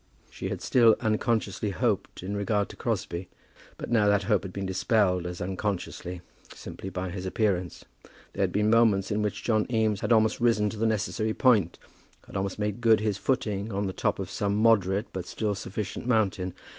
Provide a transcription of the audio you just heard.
She had still unconsciously hoped in regard to Crosbie, but now that hope had been dispelled as unconsciously, simply by his appearance. There had been moments in which John Eames had almost risen to the necessary point, had almost made good his footing on the top of some moderate, but still sufficient mountain.